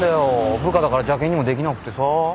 部下だから邪険にもできなくてさ。